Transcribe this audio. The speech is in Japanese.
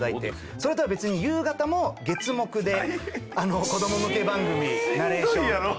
それとは別に夕方も月木で子供向け番組ナレーション。